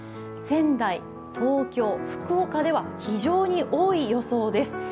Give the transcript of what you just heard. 仙台、東京、福岡では非常に多い予想です。